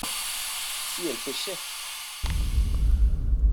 Si elles pêchaient.